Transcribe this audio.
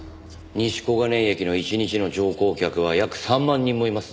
西小金井駅の一日の乗降客は約３万人もいます。